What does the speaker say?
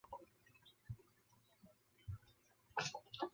熊田圣亚是一位日本女童星。